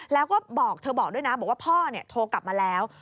แล้วก็เธอบอกด้วยนะพ่อเนี่ยโทรกลับมาแล้ว